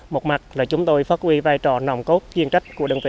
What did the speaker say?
một mặt là chúng tôi phát huy vai trò nòng cốt kiên trách của đơn vị